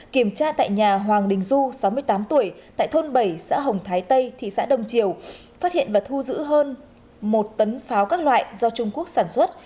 kiểm tra tại nhà hoàng đình du sáu mươi tám tuổi tại thôn bảy xã hồng thái tây thị xã đông triều phát hiện và thu giữ hơn một tấn pháo các loại do trung quốc sản xuất